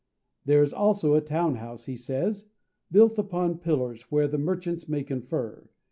"There is also a Town House," he says, "built upon pillars, where the merchants may confer.